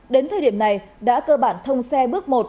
đến thời điểm này đã cơ bản thông xe bước một